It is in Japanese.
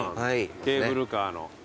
ケーブルカーの。